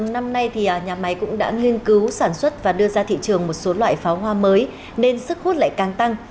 năm nay thì nhà máy cũng đã nghiên cứu sản xuất và đưa ra thị trường một số loại pháo hoa mới nên sức hút lại càng tăng